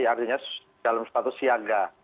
jadi artinya dalam status siaga